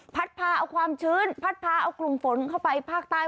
พาเอาความชื้นพัดพาเอากลุ่มฝนเข้าไปภาคใต้